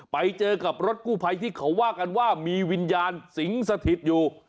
ไปเจอกับรถกู้ภัยที่เขาว่ากันว่ามีวิญญาณสิงสถิตอยู่